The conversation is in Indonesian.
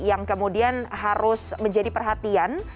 yang kemudian harus menjadi perhatian